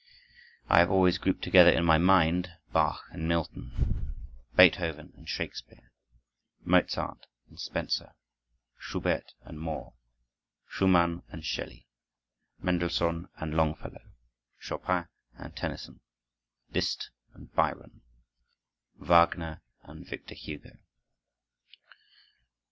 I have always grouped together in my mind Bach and Milton, Beethoven and Shakespeare, Mozart and Spenser, Schubert and Moore, Schumann and Shelley, Mendelssohn and Longfellow, Chopin and Tennyson, Liszt and Byron, Wagner and Victor Hugo.